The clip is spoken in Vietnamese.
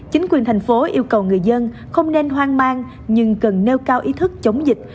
chính quyền thành phố yêu cầu người dân không nên hoang mang nhưng cần nêu cao ý thức chống dịch